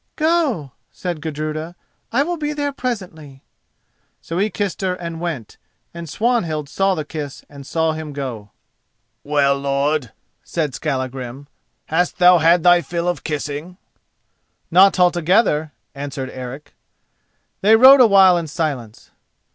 "Go!" said Gudruda; "I will be there presently!" So he kissed her and went, and Swanhild saw the kiss and saw him go. "Well, lord," said Skallagrim, "hast thou had thy fill of kissing?" "Not altogether," answered Eric. They rode a while in silence.